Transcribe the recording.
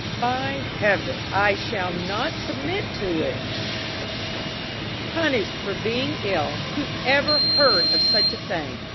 "By Heaven, I shall not submit to it!" I exclaimed. "Punished for being ill who ever heard of such a thing!